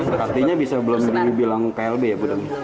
berarti bisa belum dibilang klb ya